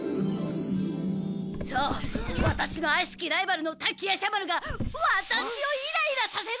そうワタシのあしきライバルの滝夜叉丸がワタシをイライラさせるのだ！